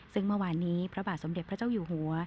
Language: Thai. ซึ่งเมื่อวานนี้พระบาทสมเด็จพระเจ้าอยู่หัว